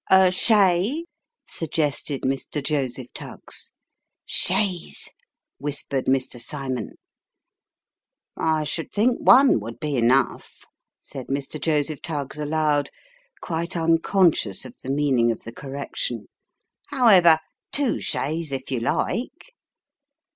" A shay ?" suggested Mr. Joseph Tuggs. " Chaise," whispered Mr. Cymon. "I should think one would be enough," said Mr. Joseph Tuggs aloud, quite unconscious of the meaning of the correction. " However, two shays if you like."